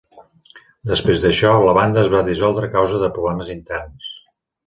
Després d'això, la banda es va dissoldre a causa de problemes interns.